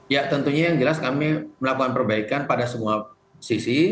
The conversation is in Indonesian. ya tentunya yang jelas kami melakukan perbaikan pada semua sisi